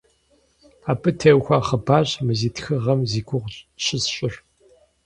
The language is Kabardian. Абы теухуа хъыбарщ мы си тхыгъэм зи гугъу щысщӀыр.